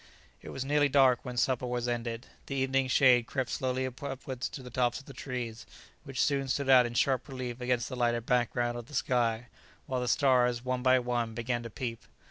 It was nearly dark when supper was ended. The evening shade crept slowly upwards to the tops of the trees, which soon stood out in sharp relief against the lighter background of the sky, while the stars, one by one, began to peep.